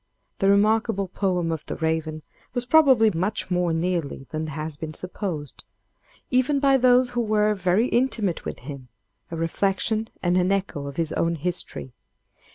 The remarkable poem of 'The Raven' was probably much more nearly than has been supposed, even by those who were very intimate with him, a reflection and an echo of his own history.